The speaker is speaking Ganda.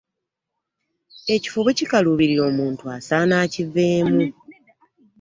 Ekifo bwekikalubirira omuntu asaana akiveemu .